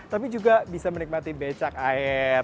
tapi juga bisa menikmati becak air